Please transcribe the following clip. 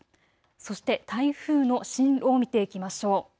そして台風の進路を見ていきましょう。